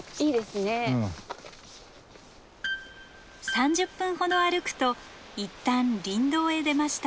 ３０分ほど歩くといったん林道へ出ました。